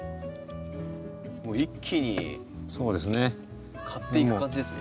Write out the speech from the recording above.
もう一気に刈っていく感じですね。